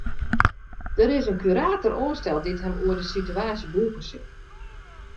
Der is in kurator oansteld dy't him oer de sitewaasje bûge sil.